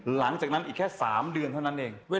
หลังจากนั้นอีกแค่๓เดือนเท่านั้นเอง